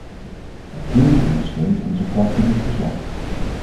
Natuurlijk ondersteunt onze fractie dit verslag.